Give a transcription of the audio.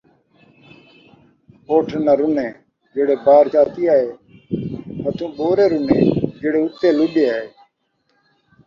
اُٹھ نہ رُنے جیڑھے بار چاتی آئے ہتھوں، ٻورے رُنے جیڑھے اُتے لݙے آئے